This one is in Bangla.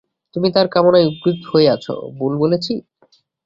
তুমি তার কামনায় উদগ্রীব হয়ে আছ, ভুল বলেছি?